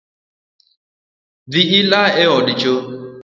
Dhi ila e od cho